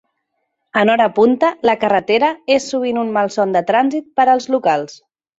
En hora punta, la carretera és sovint un malson de trànsit per als locals.